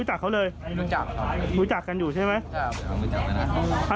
ใช่ครับวิจักรค่ะ